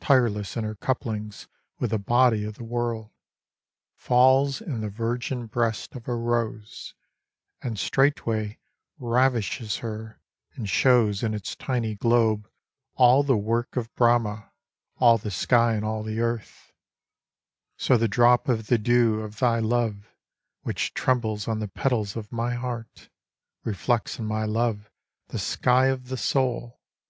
Tireless in her couplings With the body of the world. Falls in the virgin breast Of a rose, and straightway Ravishes her and shows In its tiny globe All the work of Brahma, All the sky and all the earth ; So the drop of the dew Of thy love, which trembles On the petals of my heart, Reflects in my love The sky of the soul.